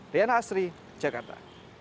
rian hasri jakarta